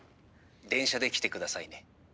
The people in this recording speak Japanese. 「電車で来てくださいね」。